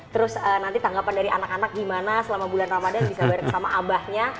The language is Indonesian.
terus nanti tanggapan dari anak anak gimana selama bulan ramadhan bisa bareng sama abahnya